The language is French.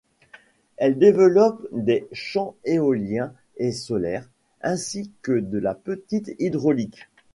Elle développe des champs éoliens et solaires, ainsi que de la petite hydraulique.